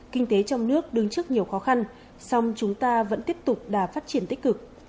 kinh tế trong nước đứng trước nhiều khó khăn song chúng ta vẫn tiếp tục đà phát triển tích cực